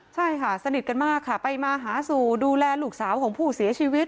ใช่ค่ะสนิทกันมากค่ะไปมาหาสู่ดูแลลูกสาวของผู้เสียชีวิต